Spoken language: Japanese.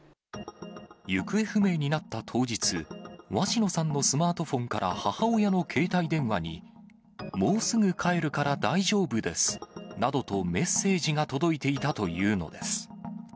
行方不明になった当日、鷲野さんのスマートフォンから母親の携帯電話に、もうすぐ帰るから大丈夫ですなどとメッセージが届いていたというのです。